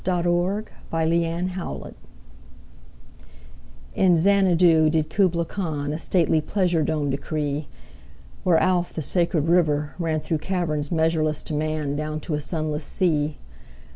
Kubla Khan IN Xanadu did Kubla Khan A stately pleasure dome decree: Where Alph, the sacred river, ran Through caverns measureless to man Down to a sunless sea.